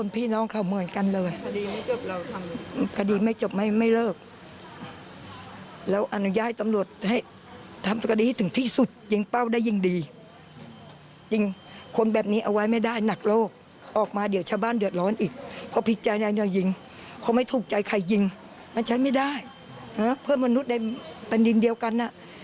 เพื่อนมนุษย์ได้เป็นอย่างเดียวกัน